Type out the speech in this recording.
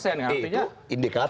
tidak naik naik nih